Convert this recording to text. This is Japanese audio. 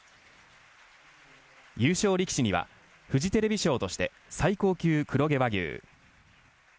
優勝力士にはフジテレビ賞として最高級黒毛和牛。